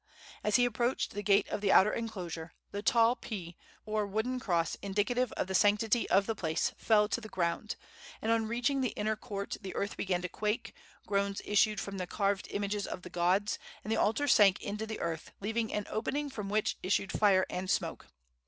As he approached the gate of the outer enclosure, the tall pea, or wooden cross indicative of the sanctity of the place, fell to the ground, and on reaching the inner court the earth began to quake, groans issued from the carved images of the gods, and the altar sank into the earth, leaving an opening from which issued fire and smoke.